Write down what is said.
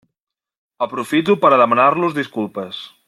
Aprofito per a demanar-los disculpes.